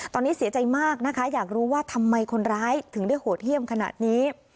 ตอนนี้เสียใจมากนะคะอยากรู้ว่าทำไมคนร้ายถึงได้โหดเยี่ยมขนาดนี้